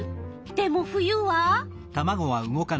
でも冬は？